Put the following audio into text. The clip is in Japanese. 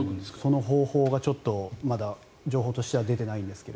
その方法がまだ情報としては出てないんですが。